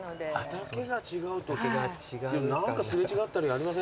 畑が違うとって何か擦れ違ったりありません？